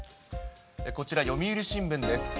こちら、読売新聞です。